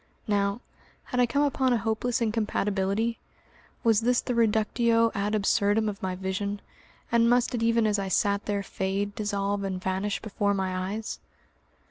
Now, had I come upon a hopeless incompatibility? Was this the reductio ad absurdum of my vision, and must it even as I sat there fade, dissolve, and vanish before my eyes?